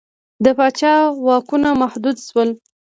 د پاچا واکونه محدود شول.